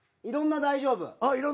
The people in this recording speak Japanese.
いろんな「大丈夫」。